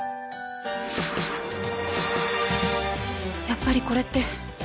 やっぱりこれって